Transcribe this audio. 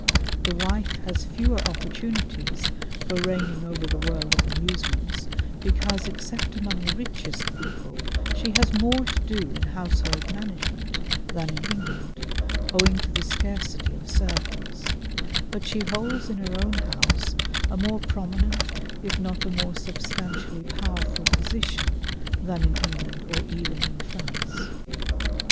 The wife has fewer opportunities for reigning over the world of amusements, because except among the richest people she has more to do in household management than in England, owing to the scarcity of servants; but she holds in her own house a more prominent if not a more substantially powerful position than in England or even in France.